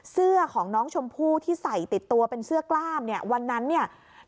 เสื้อของน้องชมพู่ที่ใส่ติดตัวเป็นเสื้อกล้ามเนี่ยวันนั้นเนี่ย